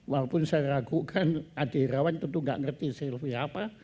walaupun saya ragukan adik irawan tentu tidak mengerti selfie apa